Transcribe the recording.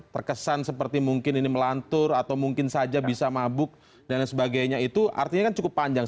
terkesan seperti mungkin ini melantur atau mungkin saja bisa mabuk dan sebagainya itu artinya kan cukup panjang